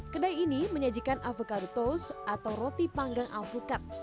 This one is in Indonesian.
kedai ini menyajikan avocado toast atau roti panggang alpukat